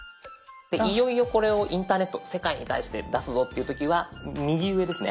いよいよこれをインターネット世界に対して出すぞっていう時は右上ですね